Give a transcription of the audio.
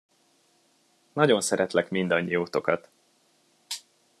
Nagyon szeretlek mindannyiótokat.